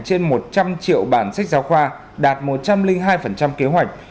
trên một trăm linh triệu bản sách giáo khoa đạt một trăm linh hai kế hoạch